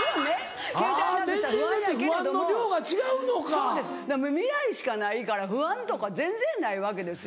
そうです未来しかないから不安とか全然ないわけですよ。